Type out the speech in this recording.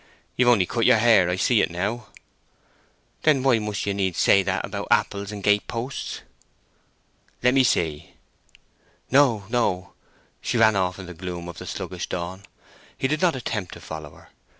"You've only cut your hair—I see now." "Then why must you needs say that about apples and gate posts?" "Let me see." "No, no!" She ran off into the gloom of the sluggish dawn. He did not attempt to follow her.